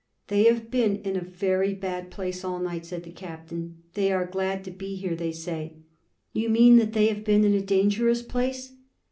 "They have been in a very bad place all night," said the Captain. "They are glad to be here, they say." "You mean that they have been in a dangerous place?"